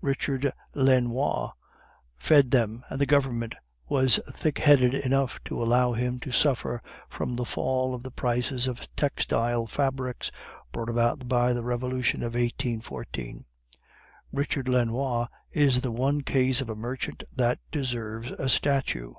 Richard Lenoir fed them, and the government was thickheaded enough to allow him to suffer from the fall of the prices of textile fabrics brought about by the Revolution of 1814. Richard Lenoir is the one case of a merchant that deserves a statue.